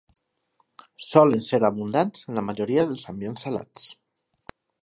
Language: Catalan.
Solen ser abundants en la majoria dels ambients salats.